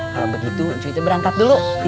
kalau begitu cuci berantak dulu